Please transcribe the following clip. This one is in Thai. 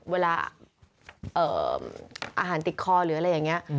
เวลาอาหารติดคอหรืออะไรอย่างนี้